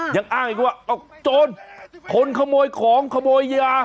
ยังอ้างอีกว่าโจรคนขโมยของขโมยยา